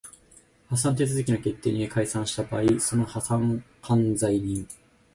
破産手続開始の決定により解散した場合その破産管財人